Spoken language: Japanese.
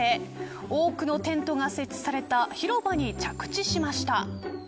多くのテントが設置された広場に着地しました。